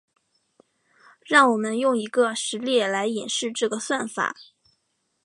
让我们用一个实例来演示这个算法。